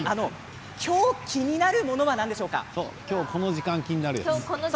今日、気にになるものなんでしょうか。